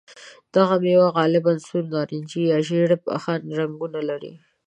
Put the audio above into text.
دغه مېوه غالباً سور، نارنجي یا ژېړ بخن رنګونه لري.